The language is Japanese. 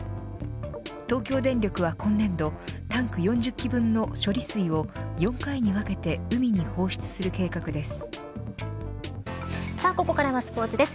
東京電力は今年度タンク４０基分の処理水を４回に分けてここからはスポーツです。